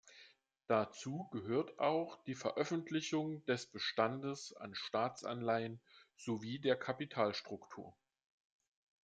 Dazu gehört auch die Veröffentlichung des Bestandes an Staatsanleihen sowie der Kapitalstruktur.